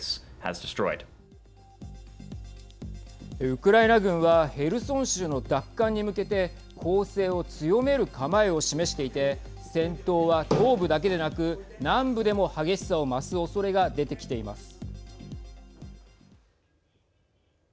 ウクライナ軍はヘルソン州の奪還に向けて攻勢を強める構えを示していて戦闘は東部だけでなく南部でも激しさを増すおそれが出てきています。